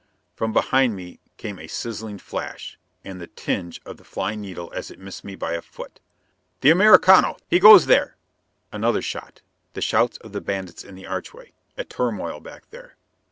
From behind me came a sizzling flash, and the ting of the flying needle as it missed me by a foot. "The Americano! He goes there!" Another shot. The shouts of the bandits in the archway. A turmoil back there.